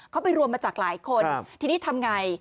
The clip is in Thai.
เขาไปรวมมาจากหลายคนทีนี้ทำไง